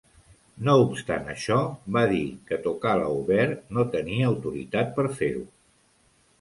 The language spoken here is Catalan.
No obstant això, va dir que Tokalauvere no tenia autoritat per fer-ho.